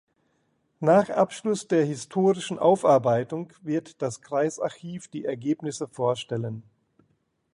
Nach Abschluss der historischen Aufarbeitung wird das Kreisarchiv die Ergebnisse vorstellen.